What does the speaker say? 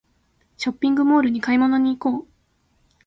ショッピングモールに買い物に行こう